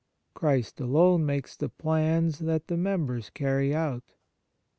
Christ alone makes the plans that the members carry out.